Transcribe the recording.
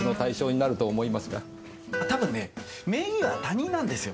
多分ね名義は他人なんですよ。